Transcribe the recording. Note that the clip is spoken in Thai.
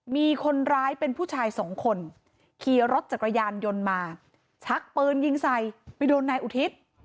มีคนร้ายเป็นผู้ชายสองคนขี่รถจักรยานยนต์มาชักปืนยิงใส่ไปโดนนายอุทิศ